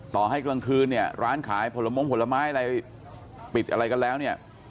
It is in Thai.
ให้กลางคืนเนี่ยร้านขายผลมงผลไม้อะไรปิดอะไรกันแล้วเนี่ย